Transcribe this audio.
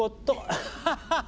アッハハハ！